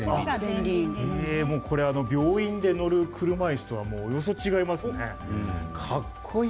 病院で乗る車いすとはおおよそ違いますね。